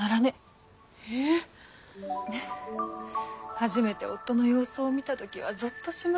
初めて夫の洋装を見た時はゾッとしました。